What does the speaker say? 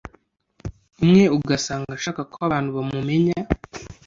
umwe ugasanga ashaka ko abantu bamumenya